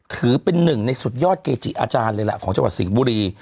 ถือเป็นหนึ่งในสุดยอดเกจิอาจารย์เลยแหละของจังหวัดสิงห์บุรี